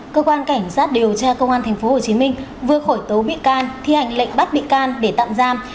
cơ quan cảnh sát điều tra công an tp hcm vừa khởi tố bị can thi hành lệnh bắt bị can để tạm giam